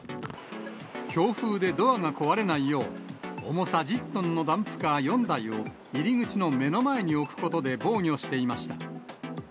強風でドアが壊れないよう、重さ１０トンのダンプカー４台を、入り口の目の前に置くことで防御していました。